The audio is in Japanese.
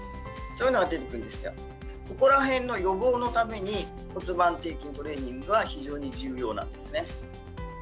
そこらへんの予防のために、骨盤底筋トレーニングは、非常に重要なんですね。